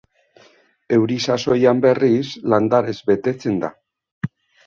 Euri sasoian, berriz, landarez betetzen da.